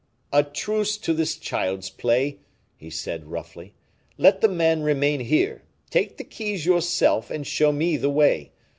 "A truce to this child's play," he said, roughly. "Let the man remain here; take the keys yourself, and show me the way.